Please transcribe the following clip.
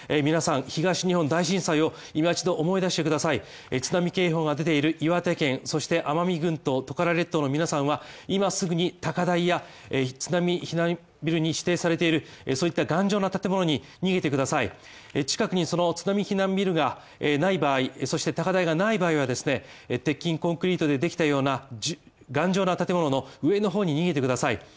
皆さん、東日本大震災を今一度思い出してください津波警報が出ている岩手県、そして奄美群島トカラ列島の皆さんは今すぐに高台や津波避難ビルに指定されているそういった頑丈な建物に逃げてください近くに津波避難ビルがない場合、そして高台がない場合はですね、鉄筋コンクリートでできたような頑丈な建物の上の方に逃げてください。